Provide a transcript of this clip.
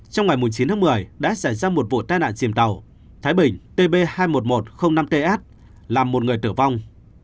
trong ngày chín tháng một mươi đã xảy ra một vụ tai nạn chìm tàu thái bình tb hai mươi một nghìn một trăm linh năm ts làm một người tử vong